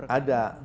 ada ada pak nessy